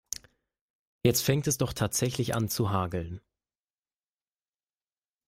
Jetzt fängt es doch tatsächlich an zu hageln.